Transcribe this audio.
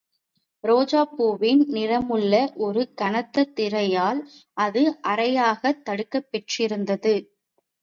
ரோஜாப்பூவின் நிறமுள்ள ஒரு கனத்த திரையால் அது அறையாகத் தடுக்கப்பெற்றிருந்தது.